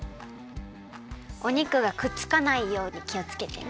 お肉がくっつかないようにきをつけてね。